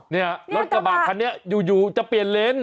ในรถจบะคลักษณ์นี้อยู่จะเปลี่ยนเลน